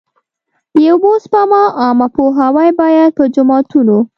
د اوبو سپما عامه پوهاوی باید په جوماتونو.